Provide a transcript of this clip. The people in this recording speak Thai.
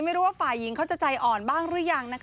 ไม่รู้ว่าฝ่ายหญิงเขาจะใจอ่อนบ้างหรือยัง